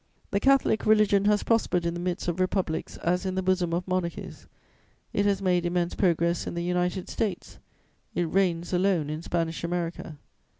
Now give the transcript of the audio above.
The Catholic religion has prospered in the midst of republics as in the bosom of monarchies; it has made immense progress in the United States; it reigns alone in Spanish America.'